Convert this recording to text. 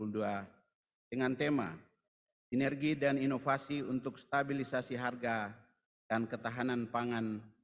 dengan tema energi dan inovasi untuk stabilisasi harga dan ketahanan pangan